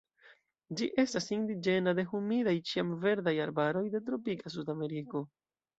Ĝi estas indiĝena de humidaj ĉiamverdaj arbaroj de tropika Sudameriko.